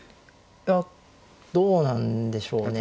いやどうなんでしょうね。